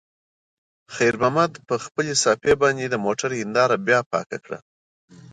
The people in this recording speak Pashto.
خیر محمد په خپلې صافې باندې د موټر هینداره بیا پاکه کړه.